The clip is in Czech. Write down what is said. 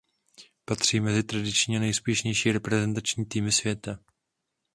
Patří mezi tradiční a nejúspěšnější reprezentační týmy světa.